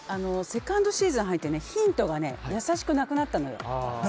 セカンドシーズン入ってヒントがやさしくなくなったのよ。